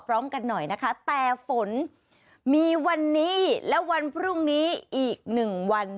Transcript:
พร้อมกันหน่อยนะคะแต่ฝนมีวันนี้และวันพรุ่งนี้อีกหนึ่งวัน